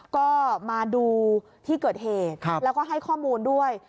ก็มาดูที่เกิดเหตุแล้วก็ให้ข้อมูลด้วย